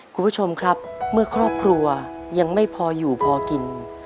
คุณผู้ชมครับเมื่อครอบครัวยังไม่พออยู่พอกิน